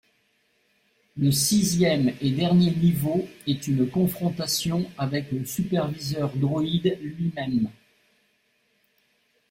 Le sixième et dernier niveau est une confrontation avec le superviseur droid lui-même.